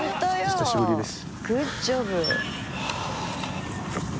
久しぶりです。